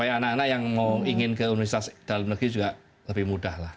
jadi anak anak yang ingin ke universitas dalam negeri juga lebih mudah